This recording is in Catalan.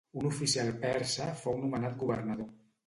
Un oficial persa fou nomenat governador.